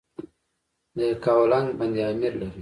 د یکاولنګ بند امیر لري